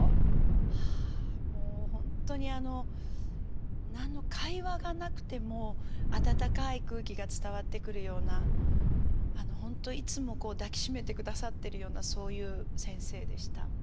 はあほんとにあの会話がなくてもあたたかい空気が伝わってくるようなほんといつも抱き締めてくださってるようなそういう先生でした。